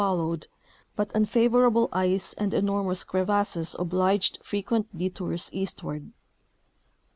followed, but unfavorable ice and enormous crevasses obliged frequent detours eastward.